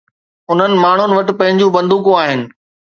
انهن ماڻهن وٽ پنهنجون بندوقون آهن